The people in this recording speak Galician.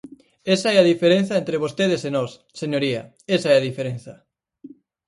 Esa é a diferenza entre vostedes e nós, señoría, esa é a diferenza.